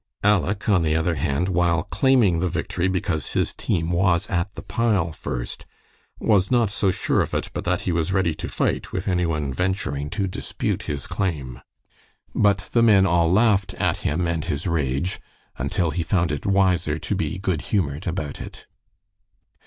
Aleck, on the other hand, while claiming the victory because his team was at the pile first, was not so sure of it but that he was ready to fight with any one venturing to dispute his claim. But the men all laughed at him and his rage, until he found it wiser to be good humored about it.